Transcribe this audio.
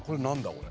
これ。